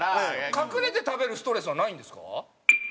隠れて食べるストレスはないんですか？